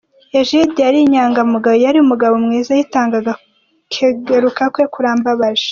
Egide yarinyangamugayo, yari umugabo mwiza yitangaga, kegurakwe kurambabaje .